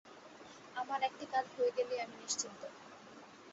আমার একটি কাজ হয়ে গেলেই আমি নিশ্চিন্ত।